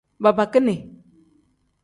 Babakini.